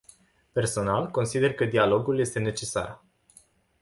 Personal, consider că dialogul este necesar.